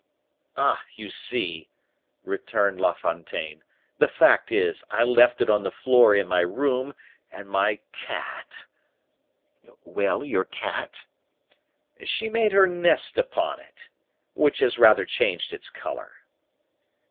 "Ah, you see," resumed La Fontaine, "the fact is, I left it on the floor in my room, and my cat " "Well, your cat " "She made her nest upon it, which has rather changed its color."